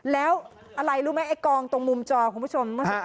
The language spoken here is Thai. แล้วอะไรรู้ไหมไอ้กองตรงมุมจอของผู้ชม